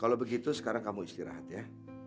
kalau begitu sekarang kamu istirahat ya